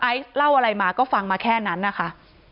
เล่าอะไรมาก็ฟังมาแค่นั้นนะคะ